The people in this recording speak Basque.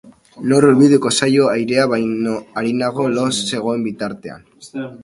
Nor hurbildu zaio airea bera baino arinago lo zegoen bitartean?